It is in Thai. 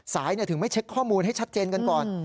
สายถึงไม่เช็คข้อมูลให้ชัดเจนกันก่อน